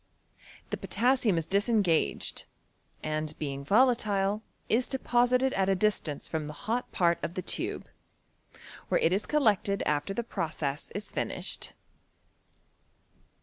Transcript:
The potassium is disengaged, and being volatile is de posited at a distance from the hot part of the tube, where it is collected after the process is fini^ed.